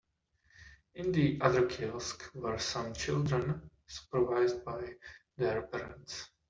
In the other kiosk were some children supervised by their parents.